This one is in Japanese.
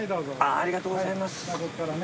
ありがとうございます。